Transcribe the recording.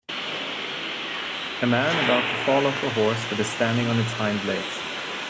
A man about to fall off of a horse that is standing on its hind legs.